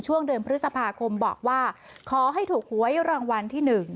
ช่วงเดือนพฤษภาคมบอกว่าขอให้ถูกหวยรางวัลที่๑